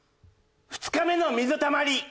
２日目の水たまり。